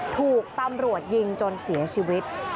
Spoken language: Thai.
ถูกตำรวจยิงจนเสียชีวิต